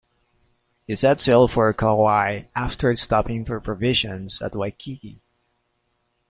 He set sail for Kauai after stopping for provisions at Waikiki.